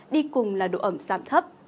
đi cùng là độ ẩm giảm thấp